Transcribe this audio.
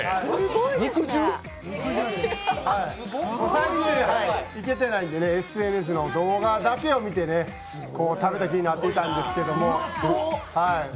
最近行けてないんで、ＳＮＳの動画だけ見て食べた気になってたんですけど。